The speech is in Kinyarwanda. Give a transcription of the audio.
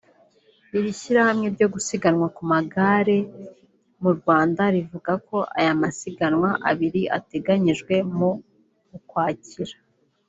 Iri shyirahamwe ryo gusiganwa ku magare mu Rwanda rivuga ko aya masiganwa abiri ateganyijwe mu Ukwakira